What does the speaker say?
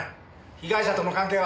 被害者との関係は？